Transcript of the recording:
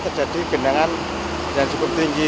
terjadi genangan yang cukup tinggi